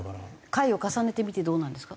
回を重ねてみてどうなんですか？